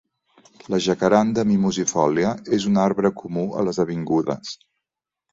La "Jacaranda mimosifolia" és un arbre comú a les avingudes.